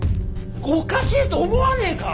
おかしいと思わねえか？